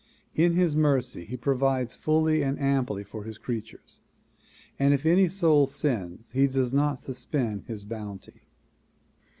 In his mercy he provides fully and amply for his creatures and if any soul sins he does not suspend his bounty.